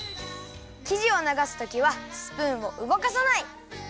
きじをながすときはスプーンをうごかさない！